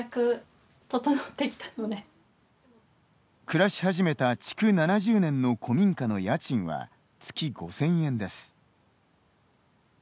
暮らし始めた築７０年の古民家の家賃は月５０００円です。